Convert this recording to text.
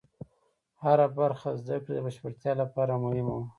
هره برخه د زده کړې د بشپړتیا لپاره مهمه وه.